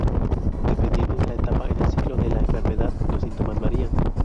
Dependiendo de la etapa en el ciclo de la enfermedad, los síntomas varían.